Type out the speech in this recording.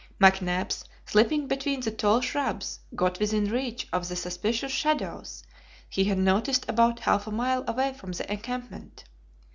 McNabbs, slipping between the tall shrubs, got within reach of the suspicious shadows he had noticed about half a mile away from the encampment.